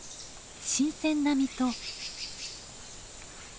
新鮮な実と。